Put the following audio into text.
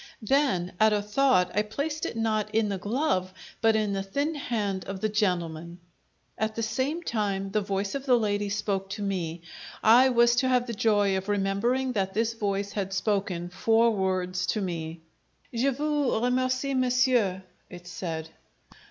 Then, at a thought, I placed it not in the glove, but in the thin hand of the gentleman. At the same time the voice of the lady spoke to me I was to have the joy of remembering that this voice had spoken four words to me. "Je vous remercie, monsieur," it said.